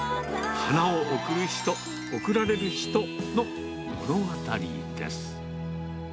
花を贈る人贈られる人の物語です。